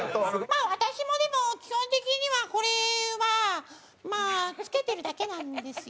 まあ私もでも基本的にはこれはまあ着けてるだけなんですよ。